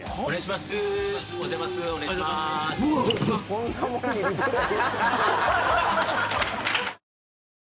お願いします。